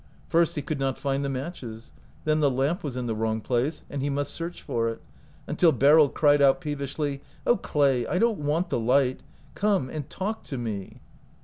First he could not find the matches; then the lamp was in the wrong place, and he must search for it; until Beryl cried out peevishly : "Oh, Clay, I don't want the light! Come and talk to me."